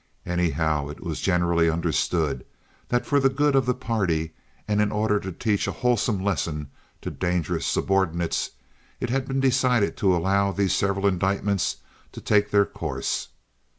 Anyhow, it was generally understood that for the good of the party, and in order to teach a wholesome lesson to dangerous subordinates—it had been decided to allow these several indictments to take their course.